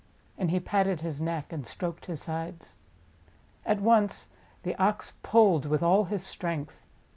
And he patted his neck and stroked his sides. At once the Ox pulled with all his strength.